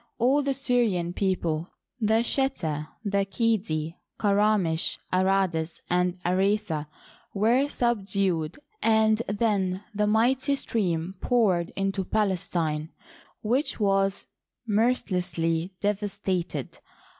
All the Syrian people, the Cheta, the Qedi, Karkemish^ Aradus, and Aresa^ were subdued, and then the mighty stream poured into Palestine, which was mercilessly devastated.